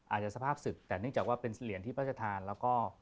อาจจะสภาพศึกแต่เนื่องจากว่าเป็นเหรียญที่พระราชทานแล้วก็